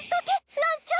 ラムちゃん